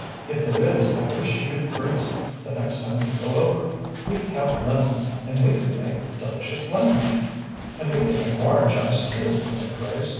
"If there is, I wish you'd bring some the next time you go over. We have lemons, and we could make delicious lemonade." "And we could make orange ice, too," put in Grace.